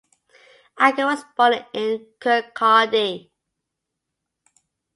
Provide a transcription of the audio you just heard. Adger was born in Kirkcaldy.